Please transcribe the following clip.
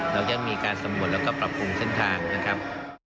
เราจะมีการสมุดแล้วก็ปรับปรุงเส้นทางนะครับ